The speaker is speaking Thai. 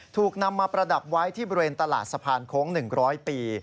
ถูกนำมาประดับไว้ที่บริเวณตลาดสะพานโค้ง๑๐๐ปี